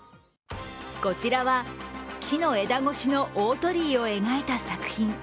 こちらは木の枝越しの大鳥居を描いた作品。